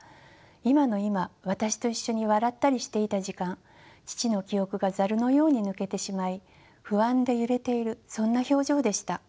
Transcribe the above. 今の今私と一緒に笑ったりしていた時間父の記憶がザルのように抜けてしまい不安で揺れているそんな表情でした。